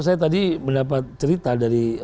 saya tadi mendapat cerita dari